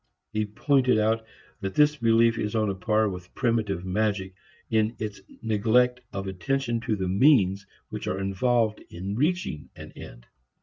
He pointed out that this belief is on a par with primitive magic in its neglect of attention to the means which are involved in reaching an end.